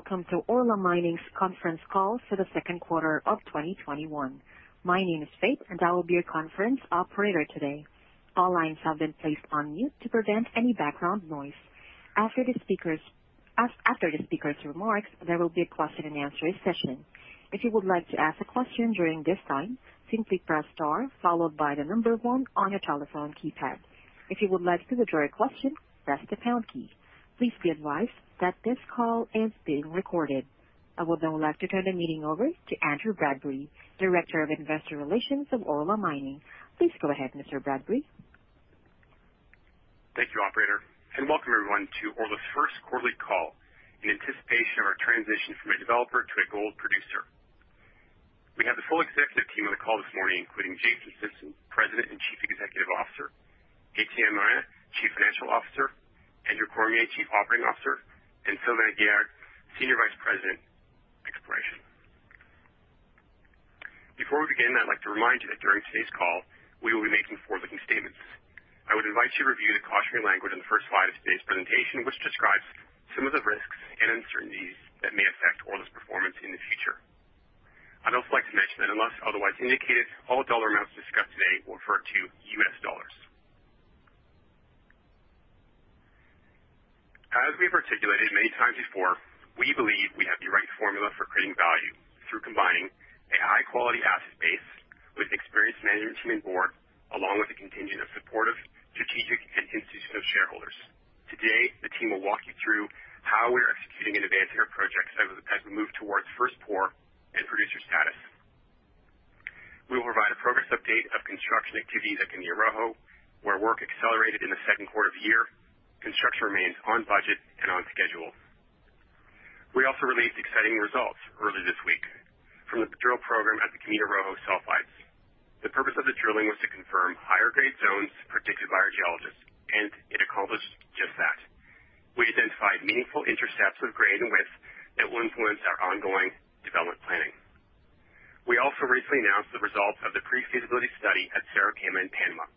Welcome to Orla Mining's conference call for the second quarter of 2021. My name is Faith, and I will be your conference operator today. All lines have been placed on mute to prevent any background noise. After the speakers' remarks, there will be a question and answer session. If you would like to ask a question during this time, simply press star followed by the number 1 on your telephone keypad. If you would like to withdraw your question, press the pound key. Please be advised that this call is being recorded. I would now like to turn the meeting over to Andrew Bradbury, Director of Investor Relations of Orla Mining. Please go ahead, Mr. Bradbury. Thank you, operator, and welcome everyone to Orla's first quarterly call in anticipation of our transition from a developer to a gold producer. We have the full executive team on the call this morning, including Jason Simpson, President and Chief Executive Officer, Etienne Morin, Chief Financial Officer, Andrew Cormier, Chief Operating Officer, and Sylvain Guerard, Senior Vice President, Exploration. Before we begin, I'd like to remind you that during today's call, we will be making forward-looking statements. I would invite you to review the cautionary language on the first slide of today's presentation, which describes some of the risks and uncertainties that may affect Orla's performance in the future. I'd also like to mention that unless otherwise indicated, all dollar amounts discussed today will refer to US dollars. As we've articulated many times before, we believe we have the right formula for creating value through combining a high quality asset base with an experienced management team and board, along with a contingent of supportive, strategic and institutional shareholders. Today, the team will walk you through how we are executing and advancing our projects as we move towards first pour and producer status. We will provide a progress update of construction activities at Camino Rojo, where work accelerated in the second quarter of the year. Construction remains on budget and on schedule. We also released exciting results earlier this week from the drill program at the Camino Rojo sulfides. The purpose of the drilling was to confirm higher grade zones predicted by our geologists, and it accomplished just that. We identified meaningful intercepts of grade and width that will influence our ongoing development planning. We also recently announced the results of the pre-feasibility study at Cerro Quema in Panama.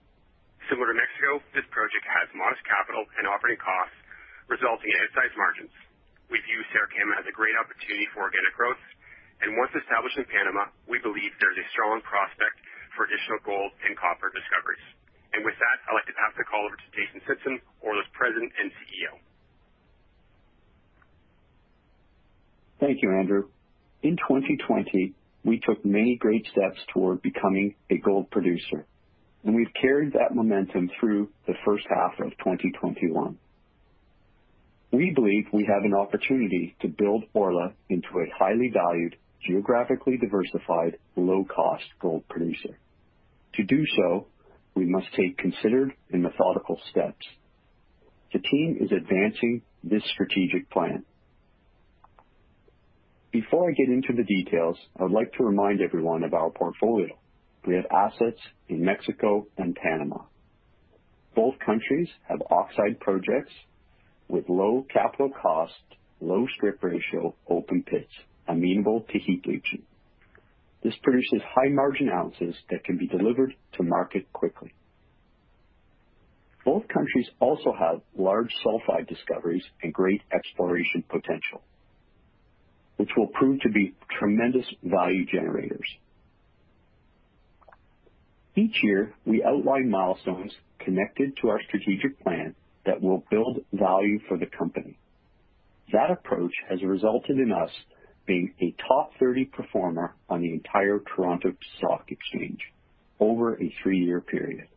Similar to Mexico, this project has modest capital and operating costs, resulting in outsized margins. We view Cerro Quema as a great opportunity for organic growth, and once established in Panama, we believe there is a strong prospect for additional gold and copper discoveries. With that, I'd like to pass the call over to Jason Simpson, Orla's President and CEO. Thank you, Andrew. In 2020, we took many great steps toward becoming a gold producer, and we've carried that momentum through the first half of 2021. We believe we have an opportunity to build Orla into a highly valued, geographically diversified, low-cost gold producer. To do so, we must take considered and methodical steps. The team is advancing this strategic plan. Before I get into the details, I would like to remind everyone of our portfolio. We have assets in Mexico and Panama. Both countries have oxide projects with low capital cost, low strip ratio, open pits, amenable to heap leaching. This produces high margin ounces that can be delivered to market quickly. Both countries also have large sulfide discoveries and great exploration potential, which will prove to be tremendous value generators. Each year, we outline milestones connected to our strategic plan that will build value for the company. That approach has resulted in us being a top 30 performer on the entire Toronto Stock Exchange over a three-year period.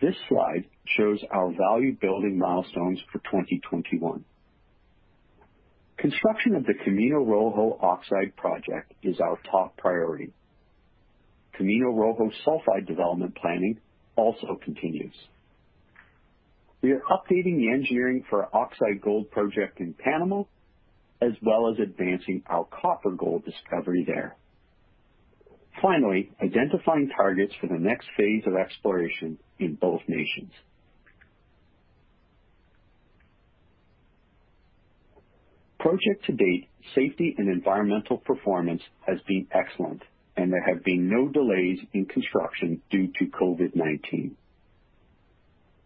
This slide shows our value building milestones for 2021. Construction of the Camino Rojo oxide project is our top priority. Camino Rojo sulfide development planning also continues. We are updating the engineering for our oxide gold project in Panama, as well as advancing our copper-gold discovery there. Finally, identifying targets for the next phase of exploration in both nations. Project to date, safety and environmental performance has been excellent, and there have been no delays in construction due to COVID-19.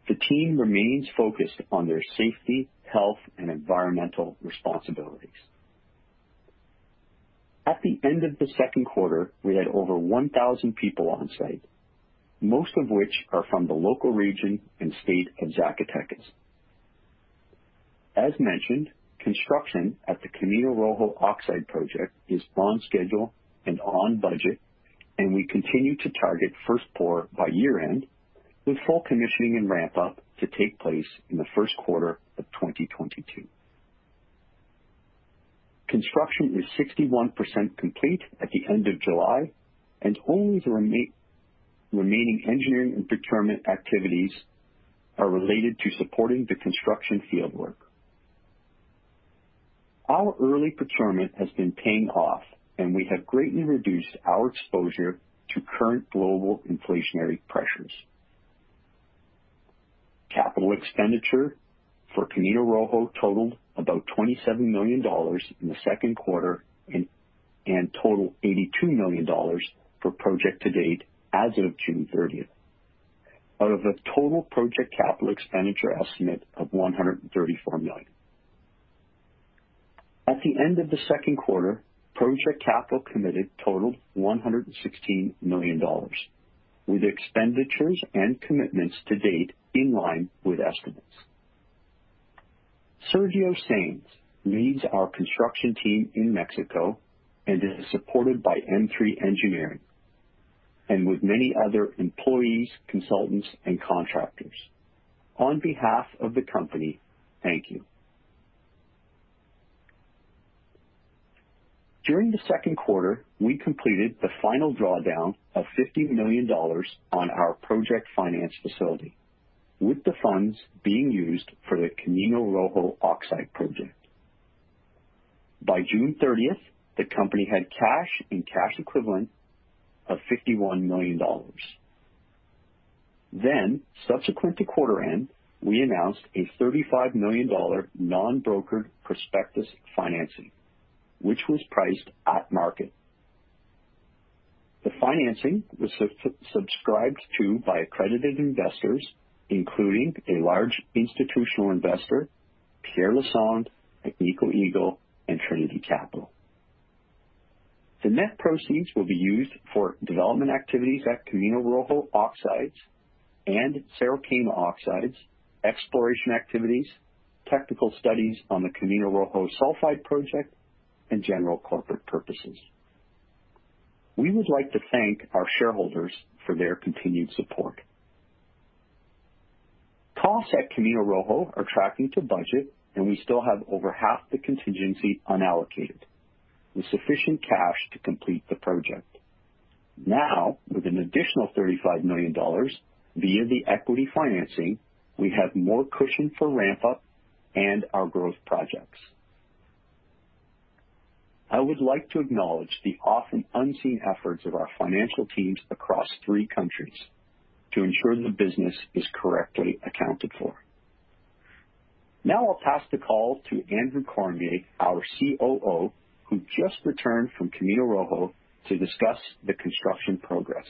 The team remains focused on their safety, health, and environmental responsibilities. At the end of the second quarter, we had over 1,000 people on site, most of which are from the local region and state of Zacatecas. As mentioned, construction at the Camino Rojo oxide project is on schedule and on budget, and we continue to target first pour by year-end, with full commissioning and ramp-up to take place in the first quarter of 2022. Construction is 61% complete at the end of July, and only the remaining engineering and procurement activities are related to supporting the construction field work. Our early procurement has been paying off, and we have greatly reduced our exposure to current global inflationary pressures. Capital expenditure for Camino Rojo totaled about $27 million in the second quarter and totaled $82 million for project to date as of June 30.... out of a total project capital expenditure estimate of $134 million. At the end of the second quarter, project capital committed totaled $116 million, with expenditures and commitments to date in line with estimates. Sergio Sáenz leads our construction team in Mexico and is supported by M3 Engineering and with many other employees, consultants, and contractors. On behalf of the company, thank you. During the second quarter, we completed the final drawdown of $50 million on our project finance facility, with the funds being used for the Camino Rojo oxide project. By June 30th, the company had cash and cash equivalent of $51 million. Subsequent to quarter end, we announced a $35 million non-brokered prospectus financing, which was priced at market. The financing was subscribed to by accredited investors, including a large institutional investor, Pierre Lassonde, Agnico Eagle, and Trinity Capital. The net proceeds will be used for development activities at Camino Rojo oxides and Cerro Quema oxides, exploration activities, technical studies on the Camino Rojo sulfide project, and general corporate purposes. We would like to thank our shareholders for their continued support. Costs at Camino Rojo are tracking to budget, and we still have over half the contingency unallocated, with sufficient cash to complete the project. Now, with an additional $35 million via the equity financing, we have more cushion for ramp-up and our growth projects. I would like to acknowledge the often unseen efforts of our financial teams across three countries to ensure the business is correctly accounted for. Now I'll pass the call to Andrew Cormier, our COO, who just returned from Camino Rojo, to discuss the construction progress.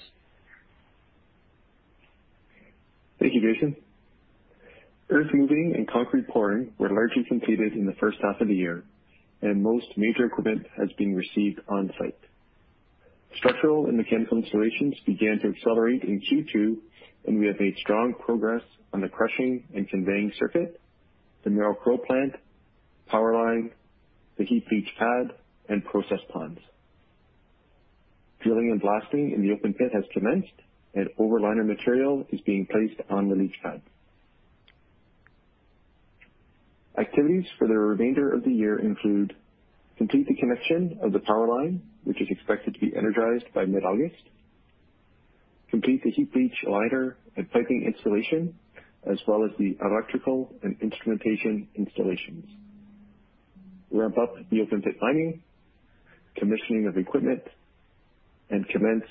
Thank you, Jason. Earthmoving and concrete pouring were largely completed in the first half of the year, and most major equipment has been received on-site. Structural and mechanical installations began to accelerate in Q2, and we have made strong progress on the crushing and conveying circuit, the Merrill-Crowe plant, power line, the heap leach pad, and process ponds. Drilling and blasting in the open pit has commenced, and overliner material is being placed on the leach pad. Activities for the remainder of the year include: complete the connection of the power line, which is expected to be energized by mid-August. Complete the heap leach liner and piping installation, as well as the electrical and instrumentation installations. Ramp up the open pit mining, commissioning of equipment, and commence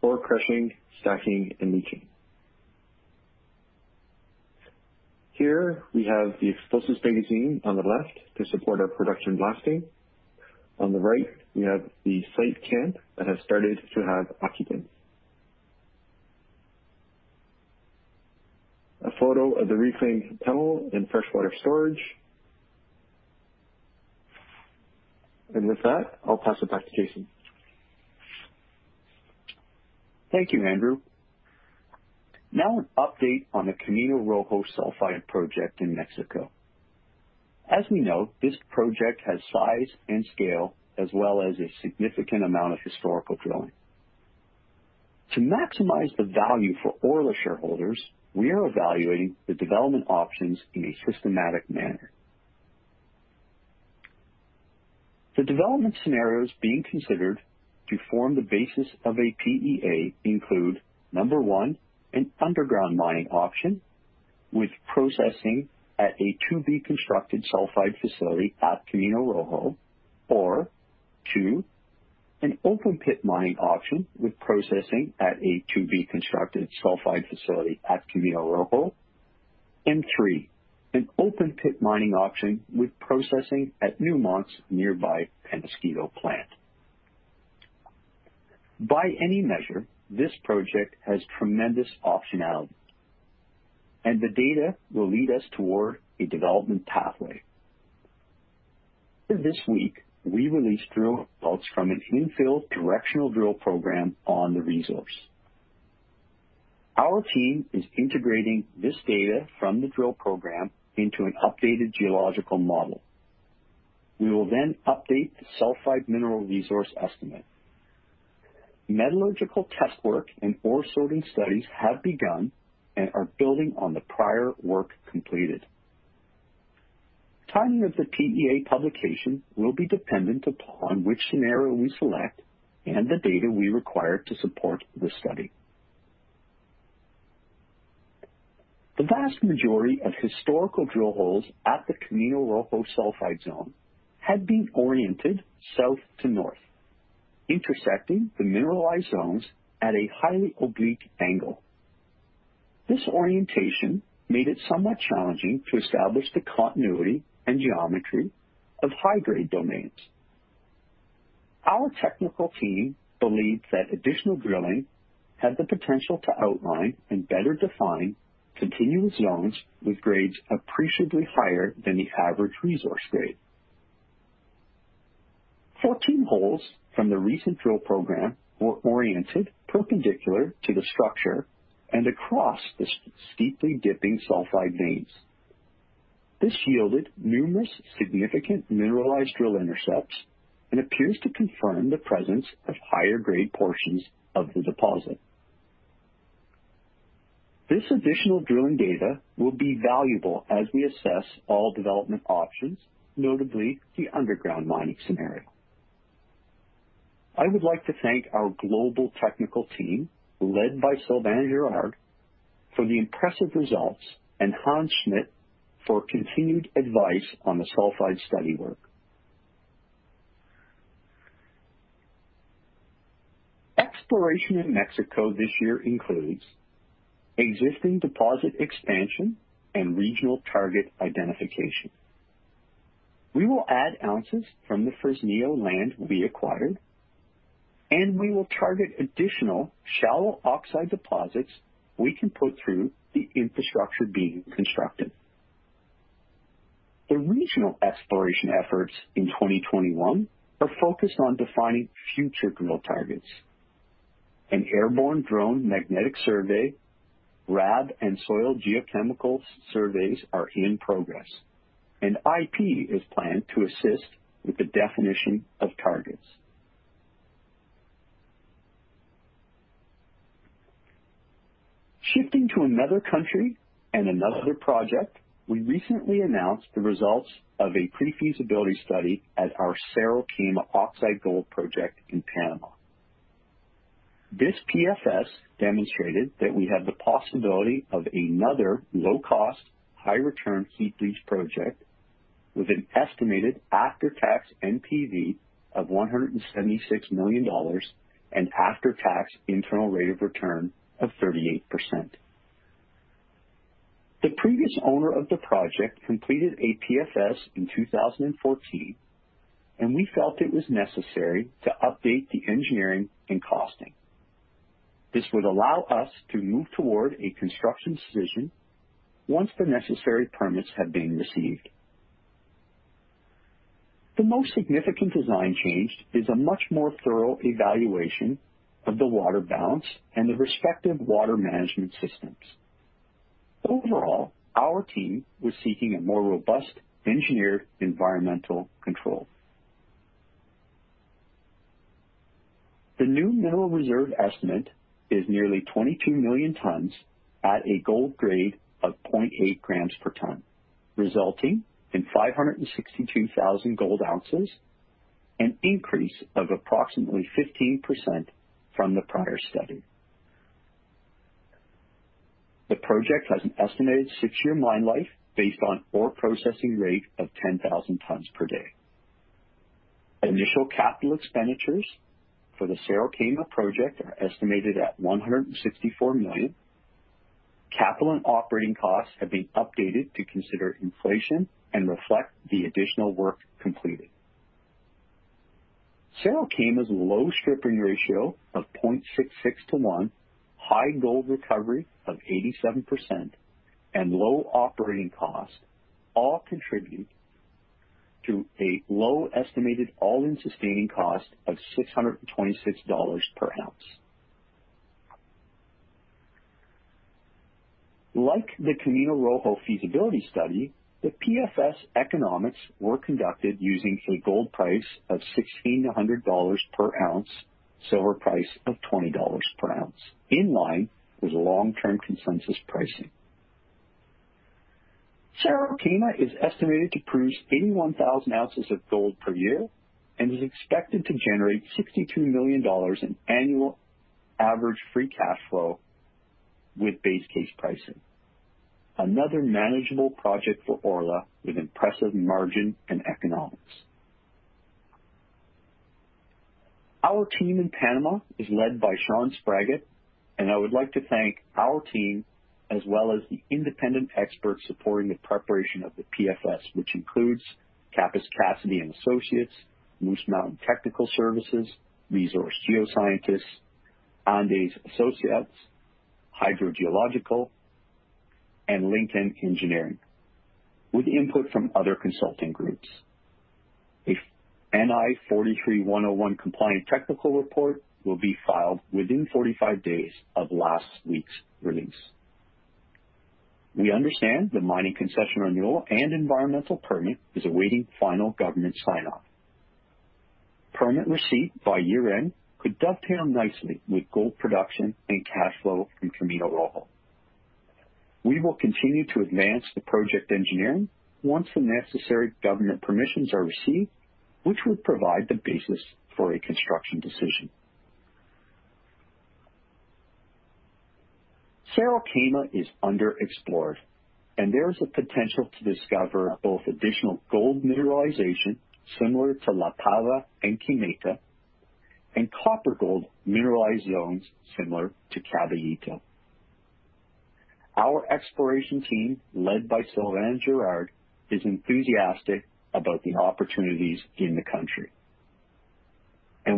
ore crushing, stacking, and leaching. Here we have the explosives magazine on the left to support our production blasting. On the right, we have the site camp that has started to have occupants. A photo of the reclaimed tunnel and freshwater storage. With that, I'll pass it back to Jason. Thank you, Andrew. Now an update on the Camino Rojo sulfide project in Mexico. As we know, this project has size and scale as well as a significant amount of historical drilling. To maximize the value for Orla shareholders, we are evaluating the development options in a systematic manner. The development scenarios being considered to form the basis of a PEA include, 1, an underground mining option with processing at a to-be constructed sulfide facility at Camino Rojo, or 2, an open pit mining option with processing at a to-be constructed sulfide facility at Camino Rojo. 3, an open pit mining option with processing at Newmont's nearby Peñasquito plant. By any measure, this project has tremendous optionality, and the data will lead us toward a development pathway. This week, we released drill results from an infill directional drill program on the resource. Our team is integrating this data from the drill program into an updated geological model. We will then update the sulfide mineral resource estimate. Metallurgical test work and ore sorting studies have begun and are building on the prior work completed. Timing of the PEA publication will be dependent upon which scenario we select and the data we require to support the study. The vast majority of historical drill holes at the Camino Rojo sulfide zone had been oriented south to north, intersecting the mineralized zones at a highly oblique angle. This orientation made it somewhat challenging to establish the continuity and geometry of high-grade domains.... Our technical team believes that additional drilling has the potential to outline and better define continuous zones with grades appreciably higher than the average resource grade. 14 holes from the recent drill program were oriented perpendicular to the structure and across the steeply dipping sulfide veins. This yielded numerous significant mineralized drill intercepts and appears to confirm the presence of higher grade portions of the deposit. This additional drilling data will be valuable as we assess all development options, notably the underground mining scenario. I would like to thank our global technical team, led by Sylvain Guerard, for the impressive results, and Hans Smit for continued advice on the sulfide study work. Exploration in Mexico this year includes existing deposit expansion and regional target identification. We will add ounces from the Fresnillo land we acquired, and we will target additional shallow oxide deposits we can put through the infrastructure being constructed. The regional exploration efforts in 2021 are focused on defining future drill targets. An airborne drone magnetic survey, radiometric and soil geochemical surveys are in progress, and IP is planned to assist with the definition of targets. Shifting to another country and another project, we recently announced the results of a pre-feasibility study at our Cerro Quema oxide gold project in Panama. This PFS demonstrated that we have the possibility of another low-cost, high-return heap-leach project with an estimated after-tax NPV of $176 million and after-tax internal rate of return of 38%. The previous owner of the project completed a PFS in 2014, and we felt it was necessary to update the engineering and costing. This would allow us to move toward a construction decision once the necessary permits have been received. The most significant design change is a much more thorough evaluation of the water balance and the respective water management systems. Overall, our team was seeking a more robust engineered environmental control. The new mineral reserve estimate is nearly 22 million tons at a gold grade of 0.8 grams per ton, resulting in 562,000 gold ounces, an increase of approximately 15% from the prior study. The project has an estimated 6-year mine life, based on ore processing rate of 10,000 tons per day. Initial capital expenditures for the Cerro Quema project are estimated at $164 million. Capital and operating costs have been updated to consider inflation and reflect the additional work completed. Cerro Quema's low stripping ratio of 0.66 to 1, high gold recovery of 87%, and low operating costs all contribute to a low estimated all-in sustaining cost of $626 per ounce. Like the Camino Rojo feasibility study, the PFS economics were conducted using a gold price of $1,600 per ounce, silver price of $20 per ounce, in line with long-term consensus pricing. Cerro Quema is estimated to produce 81,000 ounces of gold per year and is expected to generate $62 million in annual average free cash flow with base case pricing. Another manageable project for Orla with impressive margin and economics. Our team in Panama is led by Sean Spraggett, and I would like to thank our team, as well as the independent experts supporting the preparation of the PFS, which includes Kappes, Cassiday & Associates, Moose Mountain Technical Services, Resource Geosciences, Anddes Associates, HydroGeoLogica, and Linkan Engineering, with input from other consulting groups. A NI 43-101 compliant technical report will be filed within 45 days of last week's release. We understand the mining concession renewal and environmental permit is awaiting final government sign-off. Permit receipt by year-end could dovetail nicely with gold production and cash flow from Camino Rojo. We will continue to advance the project engineering once the necessary government permissions are received, which would provide the basis for a construction decision. Cerro Quema is underexplored, and there is a potential to discover both additional gold mineralization similar to La Pava and Quemita, and copper gold mineralized zones similar to Caballito.... Our exploration team, led by Sylvain Guerard, is enthusiastic about the opportunities in the country.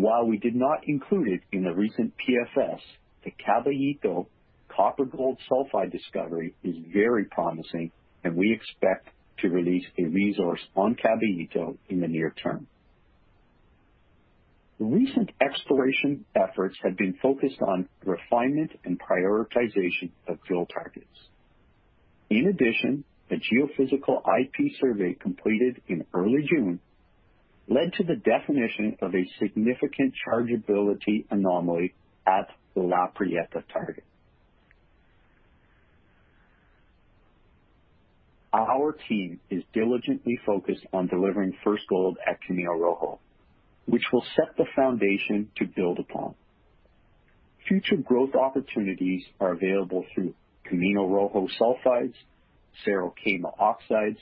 While we did not include it in the recent PFS, the Caballito copper gold sulfide discovery is very promising, and we expect to release a resource on Caballito in the near term. The recent exploration efforts have been focused on refinement and prioritization of drill targets. In addition, the geophysical IP survey completed in early June led to the definition of a significant chargeability anomaly at the La Prieta target. Our team is diligently focused on delivering first gold at Camino Rojo, which will set the foundation to build upon. Future growth opportunities are available through Camino Rojo sulfides, Cerro Quema oxides,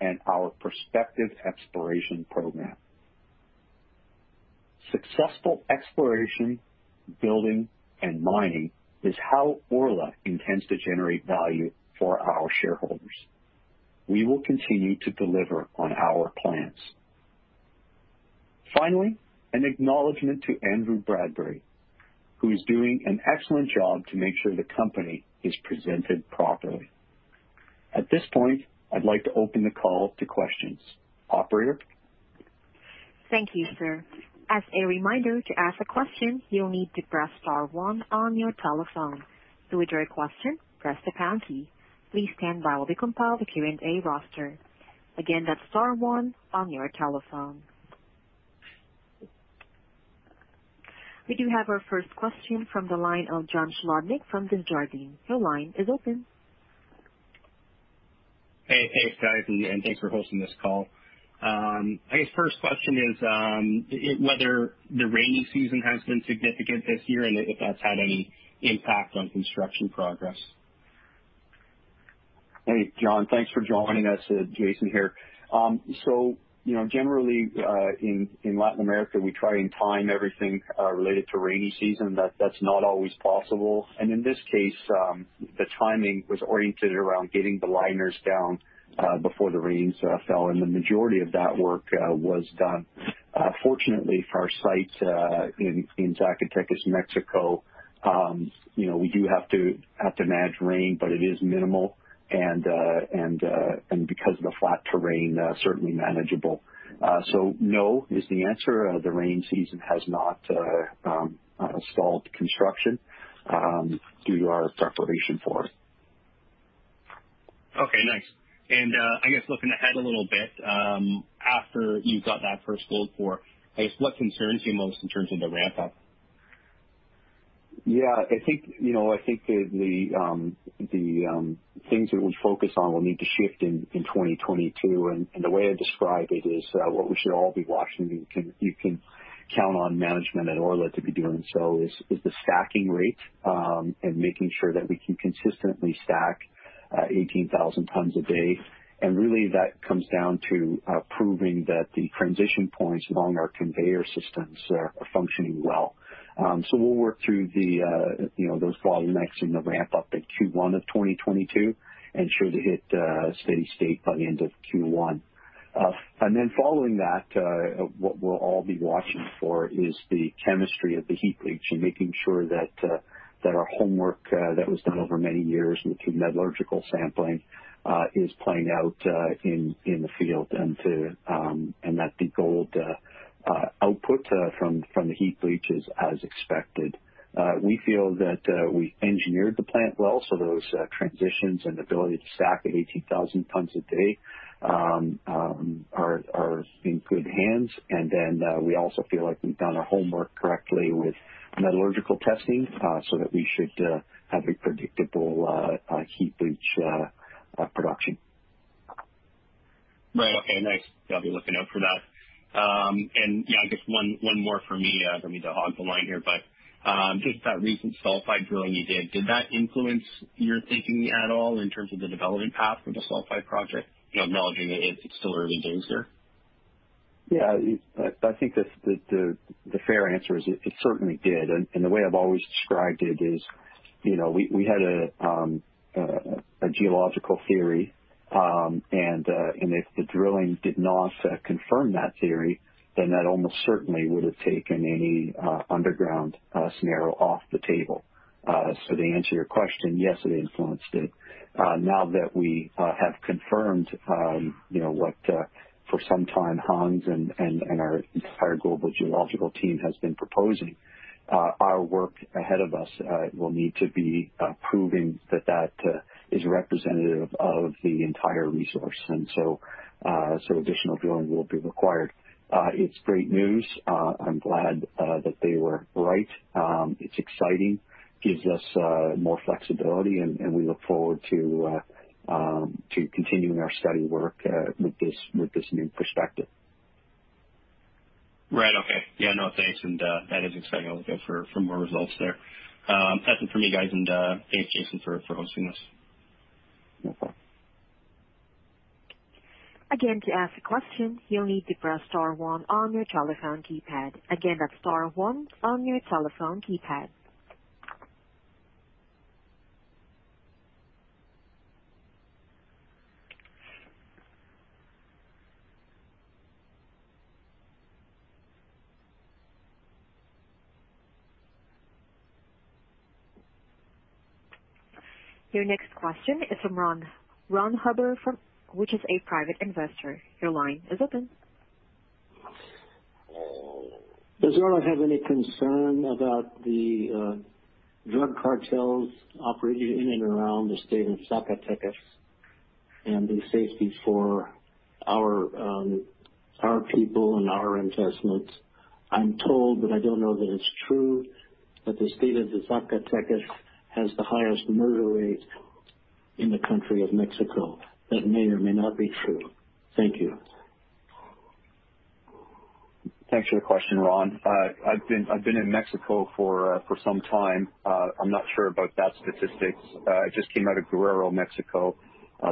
and our prospective exploration program. Successful exploration, building, and mining is how Orla intends to generate value for our shareholders. We will continue to deliver on our plans. Finally, an acknowledgement to Andrew Bradbury, who is doing an excellent job to make sure the company is presented properly. At this point, I'd like to open the call to questions. Operator? Thank you, sir. As a reminder, to ask a question, you'll need to press star one on your telephone. To withdraw your question, press the pound key. Please stand by while we compile the Q&A roster. Again, that's star one on your telephone. We do have our first question from the line of John Sclodnick from Desjardins. Your line is open. Hey, thanks, guys, and, and thanks for hosting this call. I guess first question is whether the rainy season has been significant this year and if that's had any impact on construction progress? Hey, John. Thanks for joining us. Jason here. So, you know, generally, in Latin America, we try and time everything related to rainy season, but that's not always possible. And in this case, the timing was oriented around getting the liners down before the rains fell, and the majority of that work was done. Fortunately for our sites in Zacatecas, Mexico, you know, we do have to manage rain, but it is minimal, and because of the flat terrain, certainly manageable. So no is the answer. The rainy season has not stalled construction due to our preparation for it. Okay, thanks. I guess looking ahead a little bit, after you've got that first gold pour, I guess, what concerns you most in terms of the ramp up? Yeah, I think, you know, I think the things that we focus on will need to shift in 2022. And the way I describe it is what we should all be watching. You can count on management at Orla to be doing so: the stacking rate and making sure that we can consistently stack 18,000 tons a day. And really, that comes down to proving that the transition points along our conveyor systems are functioning well. So we'll work through, you know, those bottlenecks in the ramp up in Q1 of 2022 and should hit steady state by the end of Q1. And then following that, what we'll all be watching for is the chemistry of the heap leach and making sure that our homework that was done over many years through metallurgical sampling is playing out in the field, and that the gold output from the heap leach is as expected. We feel that we engineered the plant well, so those transitions and ability to stack at 18,000 tons a day are in good hands. And then we also feel like we've done our homework correctly with metallurgical testing so that we should have a predictable heap leach production. Right. Okay, thanks. I'll be looking out for that. And, yeah, I guess one more for me to hog the line here, but just that recent sulfide drilling you did, did that influence your thinking at all in terms of the development path for the sulfide project? You know, acknowledging that it's still early days there. Yeah, I think the fair answer is it certainly did. And the way I've always described it is, you know, we had a geological theory, and if the drilling did not confirm that theory, then that almost certainly would have taken any underground scenario off the table. So to answer your question, yes, it influenced it. Now that we have confirmed, you know, what for some time, Hans and our entire global geological team has been proposing, our work ahead of us will need to be proving that that is representative of the entire resource. And so additional drilling will be required. It's great news. I'm glad that they were right.It's exciting, gives us more flexibility, and we look forward to continuing our study work with this new perspective. Right. Okay. Yeah, no, thanks. And, that is exciting. I'll look out for, for more results there. That's it for me, guys, and, thanks, Jason, for, for hosting this. Again, to ask a question, you'll need to press star one on your telephone keypad. Again, that's star one on your telephone keypad. Your next question is from Ron. Ron Hubbard, from, which is a private investor. Your line is open. Does Orla have any concern about the drug cartels operating in and around the state of Zacatecas and the safety for our people and our investments? I'm told, but I don't know that it's true, that the state of Zacatecas has the highest murder rate in the country of Mexico. That may or may not be true. Thank you. Thanks for the question, Ron. I've been in Mexico for some time. I'm not sure about that statistic. I just came out of Guerrero, Mexico.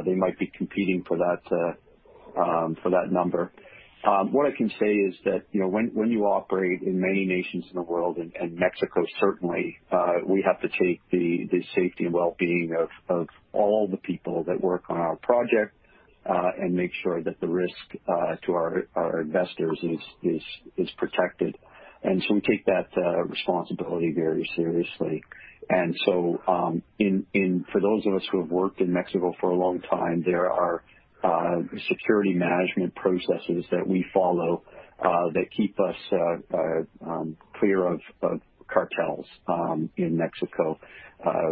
They might be competing for that number. What I can say is that, you know, when you operate in many nations in the world and Mexico, certainly, we have to take the safety and well-being of all the people that work on our project and make sure that the risk to our investors is protected. And so we take that responsibility very seriously. And so, in... For those of us who have worked in Mexico for a long time, there are security management processes that we follow that keep us clear of cartels in Mexico.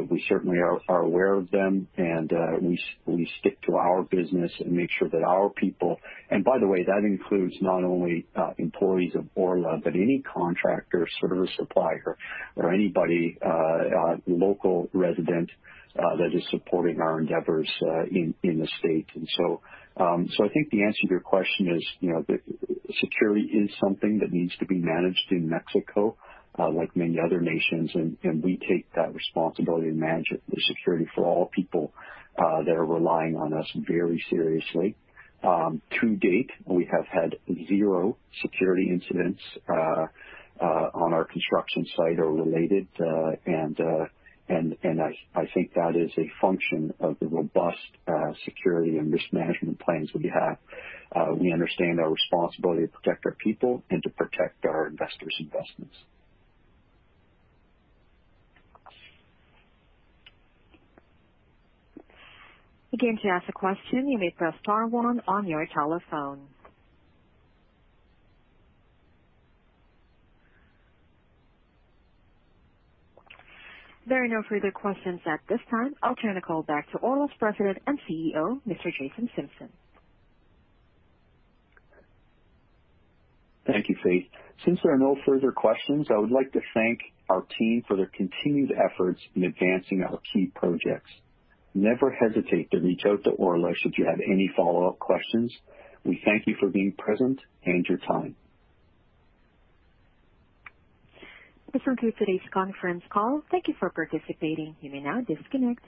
We certainly are aware of them, and we stick to our business and make sure that our people, and by the way, that includes not only employees of Orla, but any contractor, supplier or anybody, a local resident that is supporting our endeavors in the state. So I think the answer to your question is, you know, that security is something that needs to be managed in Mexico, like many other nations, and we take that responsibility to manage the security for all people that are relying on us very seriously. To date, we have had zero security incidents on our construction site or related, and I think that is a function of the robust security and risk management plans we have. We understand our responsibility to protect our people and to protect our investors' investments. Again, to ask a question, you may press star one on your telephone. There are no further questions at this time. I'll turn the call back to Orla's President and CEO, Mr. Jason Simpson. Thank you, Faith. Since there are no further questions, I would like to thank our team for their continued efforts in advancing our key projects. Never hesitate to reach out to Orla if you have any follow-up questions. We thank you for being present and your time. This concludes today's conference call. Thank you for participating. You may now disconnect.